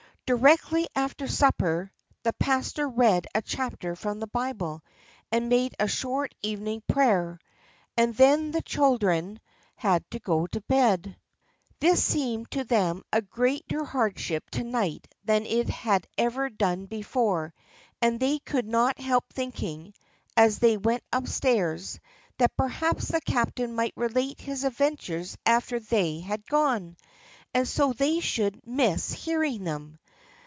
Directly after supper, the pastor read a chapter from the Bible, and made a short evening prayer, and then the children had to go to bed. This seemed to them a greater hardship to night than it had ever done before, and they could not help thinking, as they went up stairs, that perhaps the captain might relate his adventures after they had gone, and so they should miss hearing them.